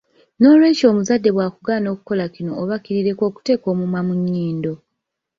Nolwekyo omuzadde bwakugaana okukola kino oba kiri leka kuteeka mumwa mu nnyindo.